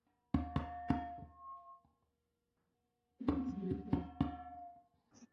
viazi lishe huweza kusagwa kuwa unga